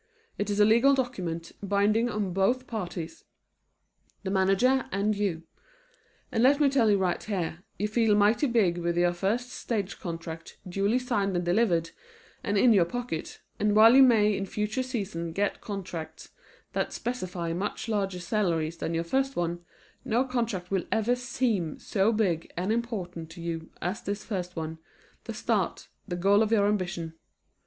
It is a legal document, binding on both parties, the manager and you and let me tell you right here, you feel mighty big with your first stage contract duly signed and delivered, and in your pocket, and while you may in future seasons get contracts that specify much larger salaries than your first one does, no contract will ever seem so big and important to you as this first one, the start, the goal of your ambition.